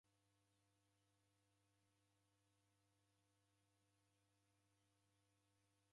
Maeresho gha maza ra ighuo ghafuma magazetinyi